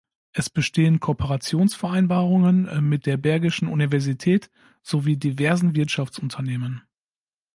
Es bestehen Kooperationsvereinbarungen mit der Bergischen Universität sowie diversen Wirtschaftsunternehmen.